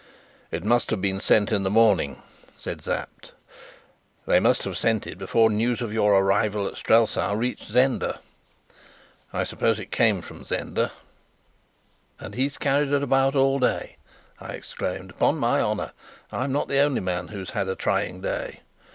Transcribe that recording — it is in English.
"It must have been sent in the morning," said Sapt. "They must have sent it before news of your arrival at Strelsau reached Zenda I suppose it came from Zenda." "And he's carried it about all day!" I exclaimed. "Upon my honour, I'm not the only man who's had a trying day!